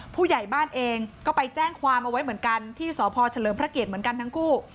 ผู้ใหญ่บ้านเองก็ไปแจ้งความเอาไว้เหมือนกันที่สพเฉลิมพระเกียรติเหมือนกันทั้งคู่